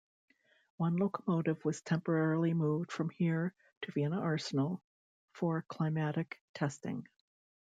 One locomotive was temporarily moved from here to Vienna Arsenal for climatic testing.